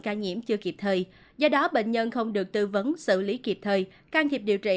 ca nhiễm chưa kịp thời do đó bệnh nhân không được tư vấn xử lý kịp thời can thiệp điều trị